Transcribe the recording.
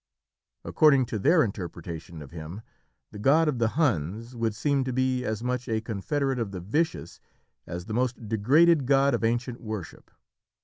According to their interpretation of Him, the God of the Huns would seem to be as much a confederate of the vicious as the most degraded god of ancient worship.